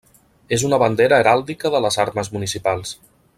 És una bandera heràldica de les armes municipals.